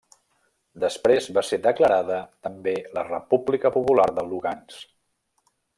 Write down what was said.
Després, va ser declarada també la República Popular de Lugansk.